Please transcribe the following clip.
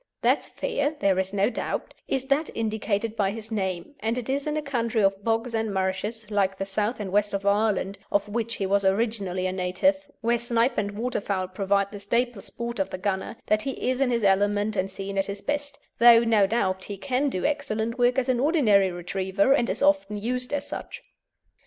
That sphere, there is no doubt, is that indicated by his name, and it is in a country of bogs and marshes, like the south and west of Ireland, of which he was originally a native, where snipe and wildfowl provide the staple sport of the gunner, that he is in his element and seen at his best, though, no doubt, he can do excellent work as an ordinary retriever, and is often used as such.